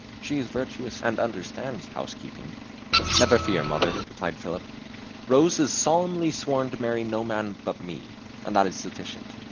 She is virtuous and understands housekeeping." "Never fear, mother," replied Philip; "Rose has solemnly sworn to marry no man but me; and that is sufficient.